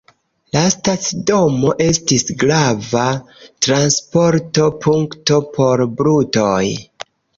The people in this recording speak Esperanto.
La stacidomo estis grava transporto-punkto por brutoj.